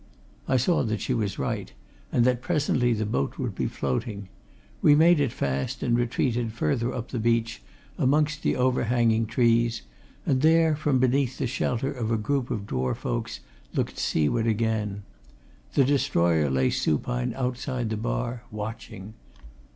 I saw that she was right, and that presently the boat would be floating. We made it fast, and retreated further up the beach, amongst the overhanging trees, and there, from beneath the shelter of a group of dwarf oaks, looked seaward again. The destroyer lay supine outside the bar, watching.